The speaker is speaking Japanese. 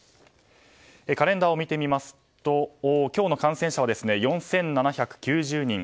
カレンダーを見てみますと今日の感染者は４７９０人。